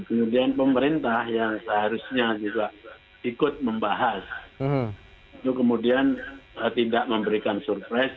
kemudian pemerintah yang seharusnya juga ikut membahas itu kemudian tidak memberikan surprise